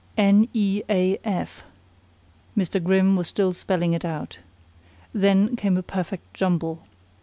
"N e a f." Mr. Grimm was still spelling it out. Then came a perfect jumble.